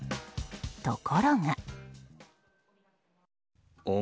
ところが。